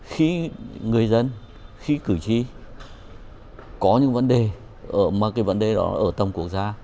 khi người dân khi cử tri có những vấn đề ở mà cái vấn đề đó ở tầm quốc gia